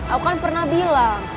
aku kan pernah bilang